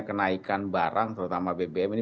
kenaikan barang terutama bbm ini